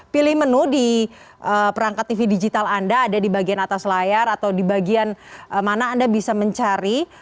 pilih menu di perangkat tv digital anda ada di bagian atas layar atau di bagian mana anda bisa mencari